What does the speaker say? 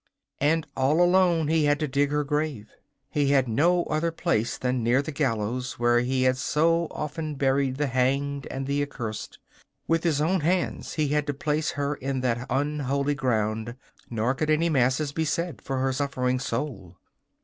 'And all alone he had to dig her grave. He had no other place than near the gallows, where he had so often buried the hanged and the accurst. With his own hands he had to place her in that unholy ground, nor could any masses be said for her suffering soul.